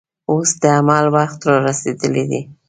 اوس د عمل وخت رارسېدلی دی.